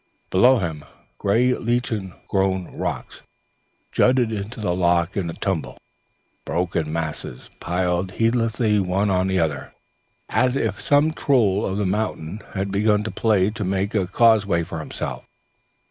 Below him, grey lichen grown rocks jutted into the loch in tumbled, broken masses, piled heedlessly one on the other, as if some troll of the mountain had begun in play to make a causeway for himself.